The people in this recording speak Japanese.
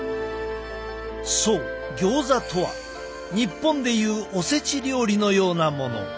そうギョーザとは日本でいうおせち料理のようなもの。